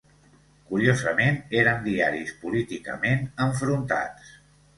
Curiosament, eren diaris políticament enfrontats.